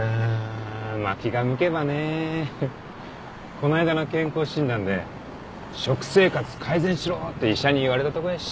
こないだの健康診断で食生活改善しろって医者に言われたとこやし。